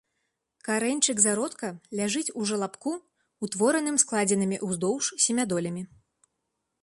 Карэньчык зародка ляжыць у жалабку, утвораным складзенымі ўздоўж семядолямі.